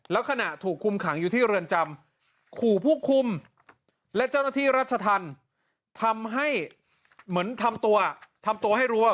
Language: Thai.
แล้วขณะถูกคุมขังอยู่ที่เรือนจำขู่ผู้คุมและเจ้าหน้าที่รัชธรรมทำให้เหมือนทำตัวทำตัวให้รู้ว่า